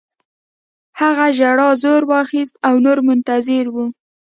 د هغه ژړا زور واخیست او نور منتظر وو